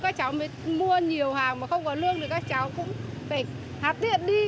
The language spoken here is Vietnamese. các cháu mua nhiều hàng mà không có lương thì các cháu cũng phải hạt tiện đi